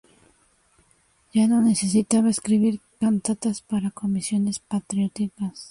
Ya no necesitaba escribir cantatas para comisiones patrióticas.